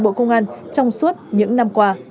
bộ công an trong suốt những năm qua